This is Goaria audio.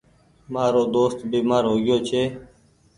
مآرو دوست بيمآر هوگيو ڇي۔